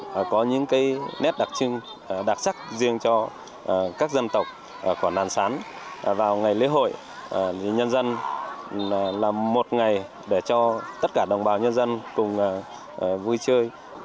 lễ hội xuống đồng có những nét đặc trưng đặc sắc riêng cho các dân tộc của nàn sáng vào ngày lễ hội nhân dân làm một ngày để cho tất cả đồng bào nhân dân cùng vui chơi